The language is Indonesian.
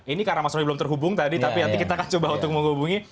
ini karena mas roy belum terhubung tadi tapi nanti kita akan coba untuk menghubungi